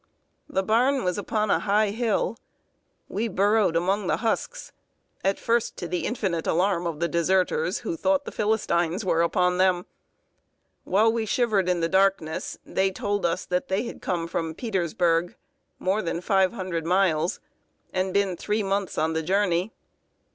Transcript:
The barn was upon a high hill. We burrowed among the husks, at first to the infinite alarm of the deserters, who thought the Philistines were upon them. While we shivered in the darkness, they told us that they had come from Petersburg more than five hundred miles and been three months on the journey.